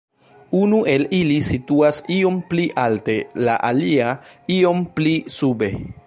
Unu el ili situas iom pli alte, la alia iom pli sube.